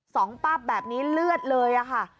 สองปรับแบบนี้เลือดเลยอ่ะค่ะ